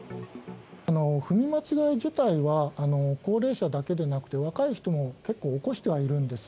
踏み間違え自体は、高齢者だけでなくて、若い人も結構起こしてはいるんです。